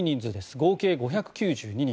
合計５９２人。